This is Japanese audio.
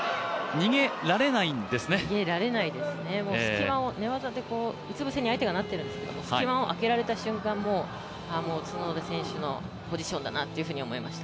逃げられないですね、寝技でうつ伏せに相手がなってるんですけど隙間を空けられた瞬間、もう角田選手のポジションだなと思いました。